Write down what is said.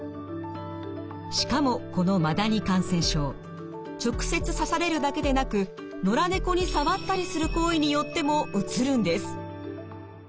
しかもこのマダニ感染症直接刺されるだけでなく野良猫に触ったりする行為によってもうつるんです。